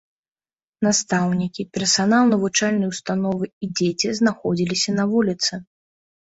Настаўнікі, персанал навучальнай установы і дзеці знаходзіліся на вуліцы.